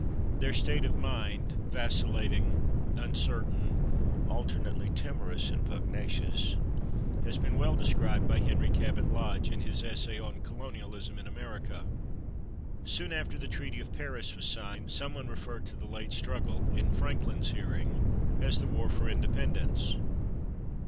Their state of mind, vacillating, uncertain, alternately timorous and [Pg064] pugnacious, has been well described by Henry Cabot Lodge in his essay on "Colonialism in America." Soon after the Treaty of Paris was signed, someone referred to the late struggle, in Franklin's hearing, as the War for Independence.